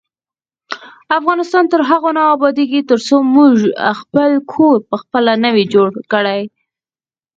افغانستان تر هغو نه ابادیږي، ترڅو موږ خپل کور پخپله نه وي جوړ کړی.